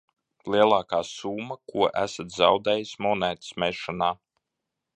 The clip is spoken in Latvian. Lielākā summa, ko esat zaudējis monētas mešanā?